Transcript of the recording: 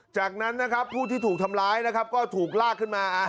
จากนั้นนะครับผู้ที่ถูกทำร้ายนะครับก็ถูกลากขึ้นมา